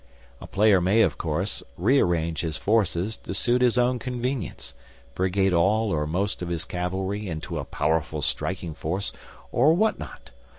A player may, of course, rearrange his forces to suit his own convenience; brigade all or most of his cavalry into a powerful striking force, or what not.